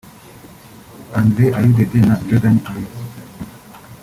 Andre Ayew Dede na Jordan Ayew